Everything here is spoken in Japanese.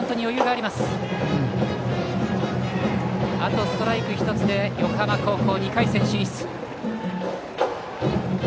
あとストライク１つで横浜高校２回戦進出。